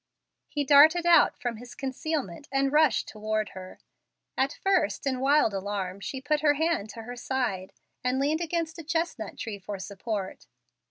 He darted out from his concealment and rushed toward her. At first, in wild alarm, she put her hand to her side, and leaned against a chestnut tree for support.